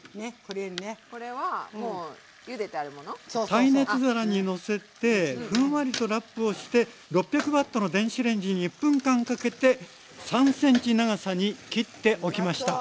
耐熱皿にのせてふんわりとラップをして６００Ｗの電子レンジに１分間かけて３ｃｍ長さに切っておきました。